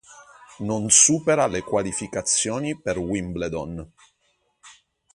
Non supera le qualificazioni per Wimbledon.